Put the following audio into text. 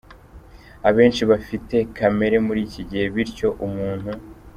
Abenshi bafite kamera muri iki gihe bityo umuntu.